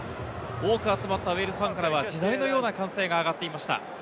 多く集まったウェールズファンからは、地鳴りのような歓声があがっていました。